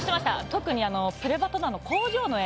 特に「プレバト」の工場の絵。